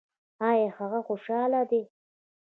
ایا هغه خوشحاله دی؟